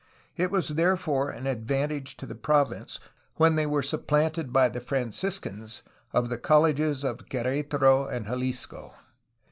It was therefore an advantage to the province when they were supplanted by the Franciscans of the colleges of Quer^taro and Jalisco.